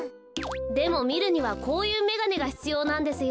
でもみるにはこういうめがねがひつようなんですよ。